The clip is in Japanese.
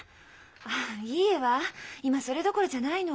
あっいいわ今それどころじゃないの。